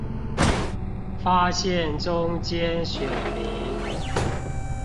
發現中間選民